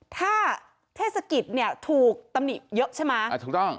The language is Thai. ถ้าเทศกิจถูกตำหนิเยอะใช่ไหมถูกต้อง